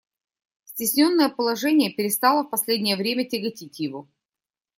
Cтесненное положение перестало в последнее время тяготить его.